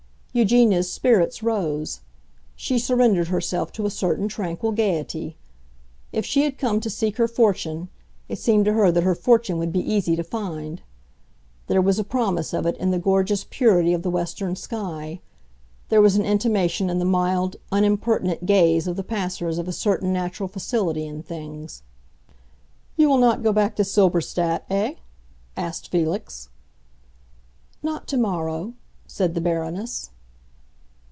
Eugenia's spirits rose. She surrendered herself to a certain tranquil gaiety. If she had come to seek her fortune, it seemed to her that her fortune would be easy to find. There was a promise of it in the gorgeous purity of the western sky; there was an intimation in the mild, unimpertinent gaze of the passers of a certain natural facility in things. "You will not go back to Silberstadt, eh?" asked Felix. "Not tomorrow," said the Baroness.